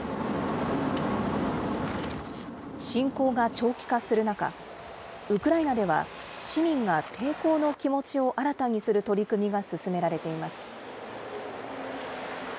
侵攻が長期化する中、ウクライナでは、市民が抵抗の気持ちを新たにする取り組みが進められています。